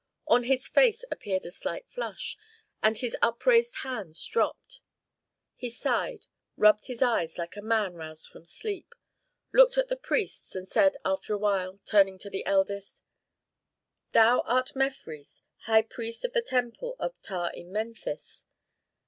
On his face appeared a slight flush, and his upraised hands dropped. He sighed, rubbed his eyes like a man roused from sleep, looked at the priests, and said after a while, turning to the eldest, "Thou art Mefres, high priest of the temple of Ptah in Memphis.